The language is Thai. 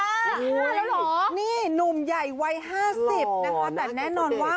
ห้าแล้วเหรอนี่หนุ่มใหญ่วัย๕๐นะคะแต่แน่นอนว่า